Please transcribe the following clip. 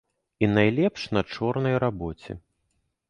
І найлепш на чорнай рабоце.